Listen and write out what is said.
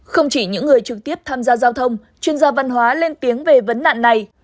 không chỉ những người trực tiếp tham gia giao thông chuyên gia văn hóa lên tiếng về vấn nạn này